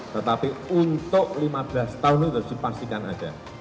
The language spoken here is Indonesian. tetapi untuk lima belas tahun itu harus dipastikan ada